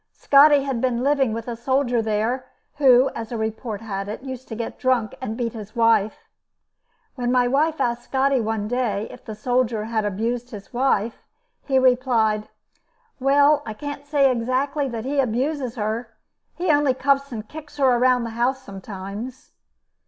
Scotty had been living with a soldier there who, as report had it, used to get drunk and beat his wife. When my wife asked Scotty one day if the soldier abused his wife, he replied, "Well, I can't say exactly that he abuses her. He only cuffs and kicks her around the house sometimes."